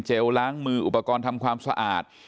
ล้างมืออุปกรณ์ทำความสะอาด